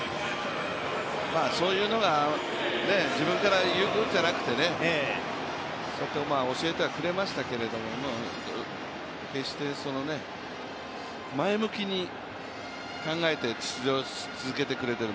そういうのが自分から言うことじゃなくて、教えてはくれましたけど、決して、前向きに考えて出場を続けてくれてる。